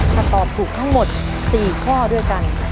ถ้าตอบถูกทั้งหมด๔ข้อด้วยกัน